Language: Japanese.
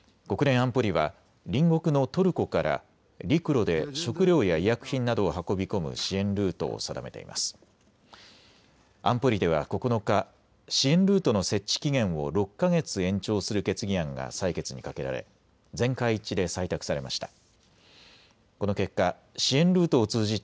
安保理では９日、支援ルートの設置期限を６か月延長する決議案が採決にかけられ全会一致で採択されました。